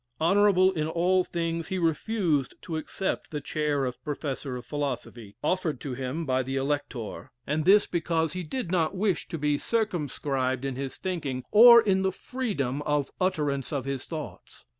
Honorable in all things, he refused to accept the chair of Professor of Philosophy, offered to him by the Elector, and this because he did not wish to be circumscribed in his thinking, or in the freedom of utterance of his thoughts.